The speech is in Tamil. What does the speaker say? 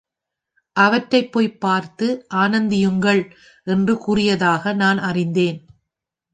அவற்றைப் போய்ப் பார்த்து ஆனந்தியுங்கள் என்று கூறியதாக நான் அறிந்தேன்.